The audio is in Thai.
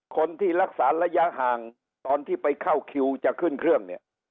คนที่รักษาระยะห่างตอนที่ไปเข้าคิวจะขึ้นเครื่องเนี่ย